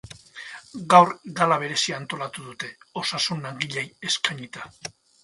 Gaur, gala berezia antolatu dute, osasun langileei eskainita.